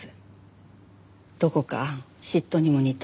どこか嫉妬にも似た。